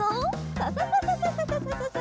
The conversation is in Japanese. ササササササササ！